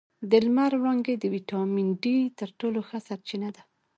د لمر وړانګې د ویټامین ډي تر ټولو ښه سرچینه ده